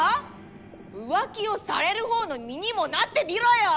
浮気をされるほうの身にもなってみろよ！